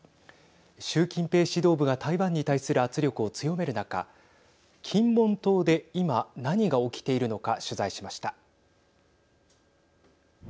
習近平指導部が台湾に対する圧力を強める中金門島で今何が起きているのか取材しました。